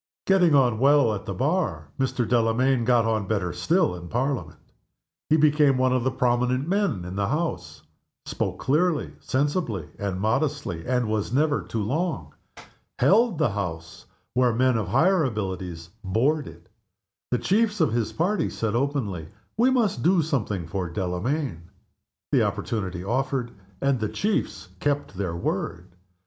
Getting on well at the Bar, Mr. Delamayn got on better still in Parliament. He became one of the prominent men in the House. Spoke clearly, sensibly, and modestly, and was never too long. Held the House, where men of higher abilities "bored" it. The chiefs of his party said openly, "We must do something for Delamayn," The opportunity offered, and the chiefs kept their word.